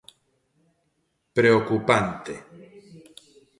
Preocupante.